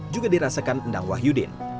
juga dirasakan endang wahyudin